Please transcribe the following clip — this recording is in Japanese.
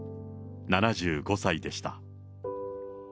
７５歳でした。